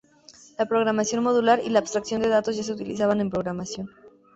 La programación modular y la abstracción de datos ya se utilizaban en programación.